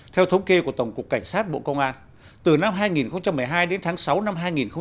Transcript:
theo thống kê của tổng cục cảnh sát bộ công an từ năm hai nghìn một mươi hai đến tháng sáu năm hai nghìn một mươi tám